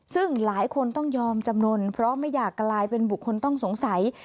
ซึ่งหลายคนต้องยอมจำนวนเพราะไม่อยากกลายเป็นบุคคลต้องสงสัย